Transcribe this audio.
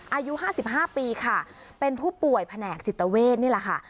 อายุ๕๕ปีค่ะเป็นผู้ป่วยแผนกจิตเวทนี่แหละค่ะ